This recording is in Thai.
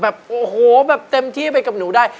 แบบโอ้โหแบบเต็มที่ไปกับหนูได้